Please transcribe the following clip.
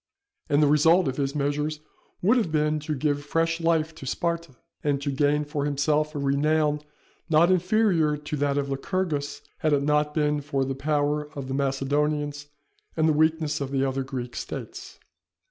And the result of his measures would have been to give fresh life to Sparta, and to gain for himself a renown not inferior to that of Lycurgus, had it not been for the power of the Macedonians and the weakness of the other Greek States.